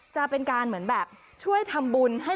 จะเป็นการช่วยทำบุญให้่